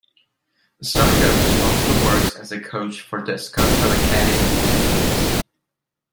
Starkovs also works as a coach for the Skonto Academy youth teams.